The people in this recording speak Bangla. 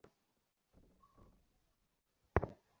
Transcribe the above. কোচিংয়ে পড়ার সময় প্রথম প্রথম আমাদের দুজনের মধ্যে চরম শত্রুতা ছিল।